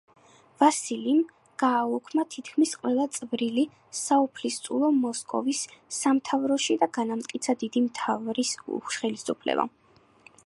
ვასილიმ გააუქმა თითქმის ყველა წვრილი საუფლისწულო მოსკოვის სამთავროში და განამტკიცა დიდი მთავრის ხელისუფლება.